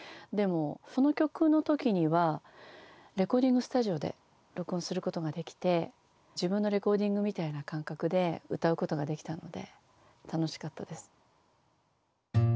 でもその曲の時にはレコーディングスタジオで録音することができて自分のレコーディングみたいな感覚で歌うことができたので楽しかったです。